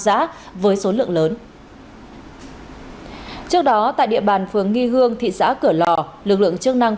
giã với số lượng lớn trước đó tại địa bàn phường nghi hương thị xã cửa lò lực lượng chức năng